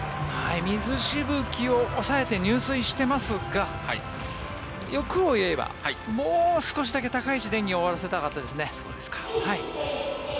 水しぶきを抑えて入水していますが欲を言えばもう少しだけ高い位置で演技を終わらせたかったですね。